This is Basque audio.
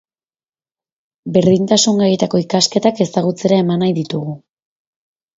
Berdintasun gaietako ikasketak ezagutzera eman nahi ditugu.